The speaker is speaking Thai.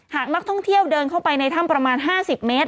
หากนักท่องเที่ยวเดินเข้าไปในถ้ำประมาณ๕๐เมตร